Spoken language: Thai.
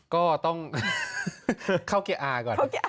ก็ต้องเข้าเกียร์อาร์ก่อน